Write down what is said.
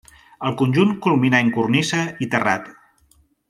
El conjunt culmina en cornisa i terrat.